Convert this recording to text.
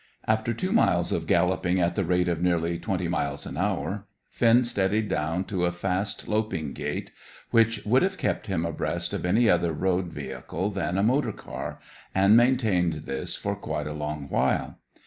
After two miles of galloping at the rate of nearly twenty miles an hour, Finn steadied down to a fast loping gait, which would have kept him abreast of any other road vehicle than a motor car, and maintained this for quite a long while.